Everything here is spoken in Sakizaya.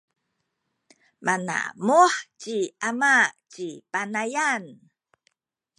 manamuh ci ama ci Panayan.